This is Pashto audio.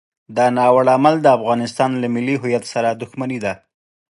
دا ناوړه عمل د افغانستان له ملي هویت سره دښمني ده.